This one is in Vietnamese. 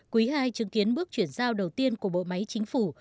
quý ii chứng kiến bước chuyển giao đầu tiên của bộ máy chính phủ